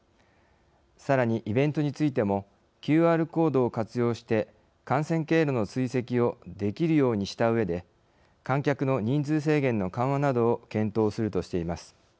さらにイベントについてもＱＲコードを活用して感染経路の追跡をできるようにしたうえで観客の人数制限の緩和などを検討するとしています。